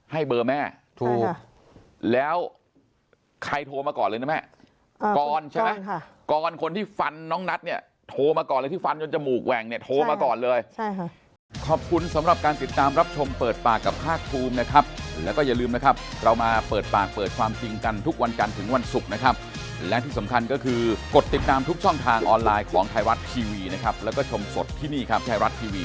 ให้เบอร์แม่ถูกแล้วใครโทรมาก่อนเลยนะแม่กรอนใช่ไหมกรอนคนที่ฟันน้องนัทเนี่ยโทรมาก่อนเลยที่ฟันจนจมูกแหว่งเนี่ยโทรมาก่อนเลย